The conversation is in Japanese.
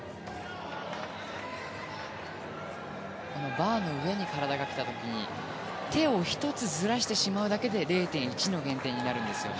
バーの上に体が来た時に手を１つずらしてしまうだけで０．１の減点になるんです。